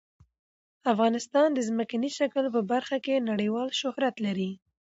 افغانستان د ځمکنی شکل په برخه کې نړیوال شهرت لري.